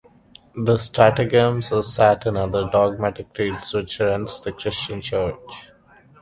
The "Stratagems of Satan" are the dogmatic creeds which rent the Christian church.